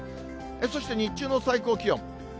そして日中の最高気温。